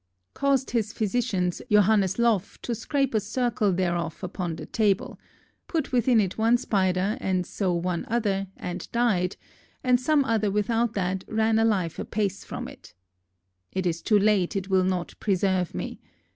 Caused his phiziccians, Johannes Lloff, to scrape a circle thereof upon the tabell; putt within it one spider and so one other and died, and some other without that ran alive apace from it.—"It is too late, it will not preserve me.